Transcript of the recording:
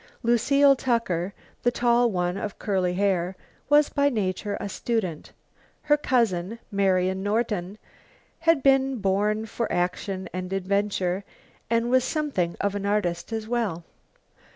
Lucile Tucker, the tall one of curly hair, was by nature a student; her cousin, Marian Norton, had been born for action and adventure, and was something of an artist as well.